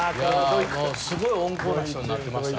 すごい温厚な人になってましたね。